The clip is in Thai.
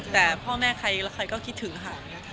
แต่พ่อแม่ใครก็คิดถึงค่ะ